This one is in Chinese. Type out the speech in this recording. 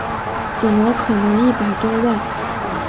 怎么可能一百多万